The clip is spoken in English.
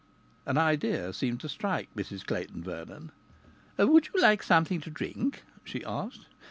An idea seemed to strike Mrs Clayton Vernon. "Would you like something to drink?" she asked.